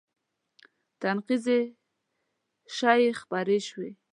نقیضې شایعې خپرې شوې